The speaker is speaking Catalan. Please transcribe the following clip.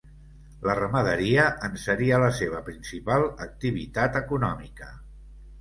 La ramaderia en seria la seva principal activitat econòmica.